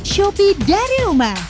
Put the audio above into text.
shopee dari rumah